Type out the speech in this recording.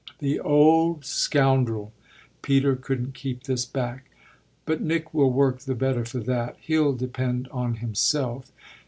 "The old scoundrel!" Peter couldn't keep this back. "But Nick will work the better for that he'll depend on himself."